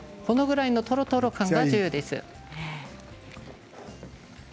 これぐらいのとろとろ感が必要です。